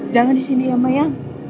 jangan disini ya mayang